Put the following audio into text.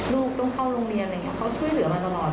ลูกต้องเข้าโรงเรียนอะไรอย่างนี้เขาช่วยเหลือมาตลอด